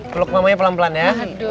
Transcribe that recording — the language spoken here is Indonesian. peluk mamanya pelan pelan ya